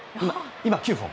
今、９本。